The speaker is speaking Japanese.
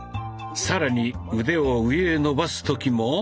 更に腕を上へ伸ばす時も。